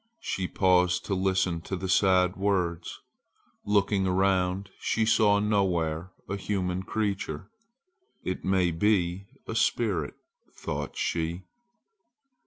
She paused to listen to the sad words. Looking around she saw nowhere a human creature. "It may be a spirit," thought she.